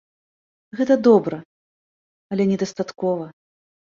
Гэта добра, але недастаткова!